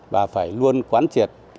và phải luôn quán triệt